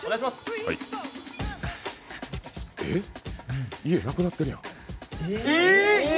「えっ？家なくなってるやん。」